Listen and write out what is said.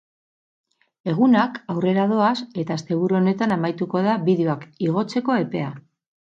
Egunak aurrera doaz eta asteburu honetan amaituko da bideoak igotzeko epea.